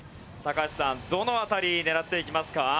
橋さんどの辺り狙っていきますか？